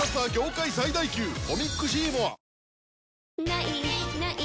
「ない！ない！